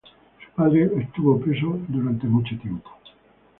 Su padre estuvo preso por mucho tiempo.